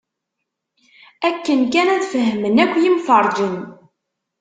Akken kan ad fehmen akk yimferǧen.